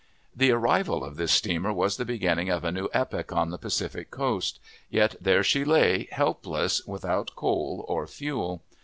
The arrival of this steamer was the beginning of a new epoch on the Pacific coast; yet there she lay, helpless, without coal or fuel.